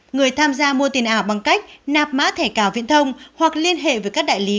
người tham gia mua tiền ảo bằng cách nạp mã thẻ cào viễn thông hoặc liên hệ với các đại lý